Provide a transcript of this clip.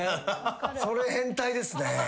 それ変態ですね。